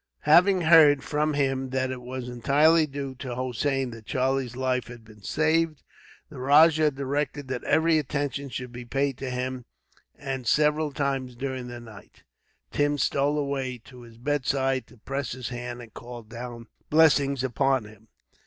Having heard, from him, that it was entirely due to Hossein that Charlie's life had been saved, the rajah directed that every attention should be paid to him; and several times, during the night, Tim stole away to his bedside to press his hand, and call down blessings upon him.